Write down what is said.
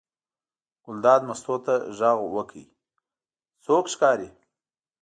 ګلداد مستو ته غږ وکړ: څوک ښکاري.